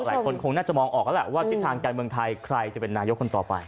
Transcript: หลายคนคงน่าจะมองออกแล้วแหละว่าทิศทางการเมืองไทยใครจะเป็นนายกคนต่อไป